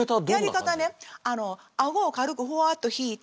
やり方ね顎を軽くふわっと引いて。